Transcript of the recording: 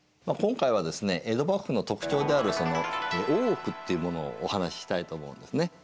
今回はですね江戸幕府の特徴である「大奥」っていうものをお話ししたいと思うんですね。